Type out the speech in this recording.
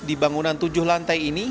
di bangunan tujuh lantai ini